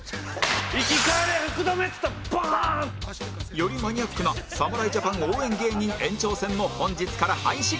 よりマニアックな侍ジャパン応援芸人延長戦も本日から配信